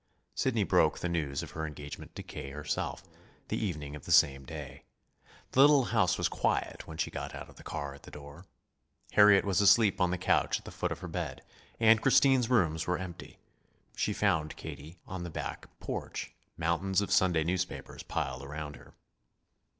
Sidney broke the news of her engagement to K. herself, the evening of the same day. The little house was quiet when she got out of the car at the door. Harriet was asleep on the couch at the foot of her bed, and Christine's rooms were empty. She found Katie on the back porch, mountains of Sunday newspapers piled around her.